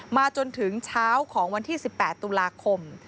จนถึงเช้าของวันที่๑๘ตุลาคม